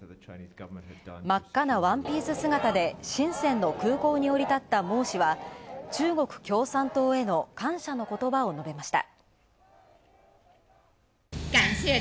真っ赤なワンピース姿で深センの空港に降り立った孟氏は、中国政府への感謝の言葉をのべました。